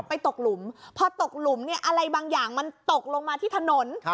ตกหลุมพอตกหลุมเนี่ยอะไรบางอย่างมันตกลงมาที่ถนน